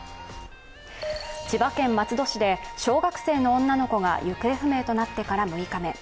千葉県松戸市で小学生の女の子が行方不明となってから６日目。